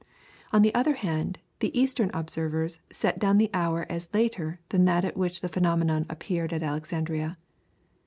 On the other hand, the eastern observers set down the hour as later than that at which the phenomenon appeared at Alexandria.